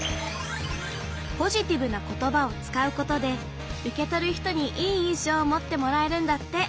ポジティブなことばを使うことで受け取る人にいい印象を持ってもらえるんだって。